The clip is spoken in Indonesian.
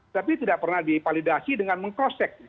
tapi tidak pernah divalidasi dengan meng cross check